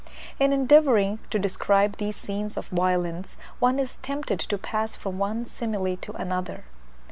In endeavouring to describe these scenes of violence one is tempted to pass from one simile to another.